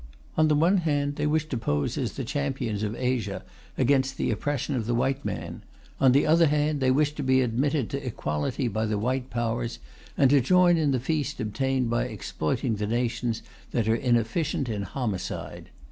On the one hand, they wish to pose as the champions of Asia against the oppression of the white man; on the other hand, they wish to be admitted to equality by the white Powers, and to join in the feast obtained by exploiting the nations that are inefficient in homicide.